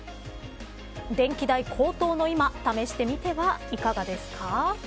電気代高騰の今試してみてはいかがですか。